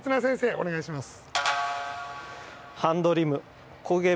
お願いします。